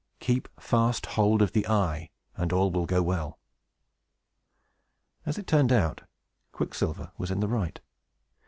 Keep fast hold of the eye, and all will go well." As it turned out, Quicksilver was in the right.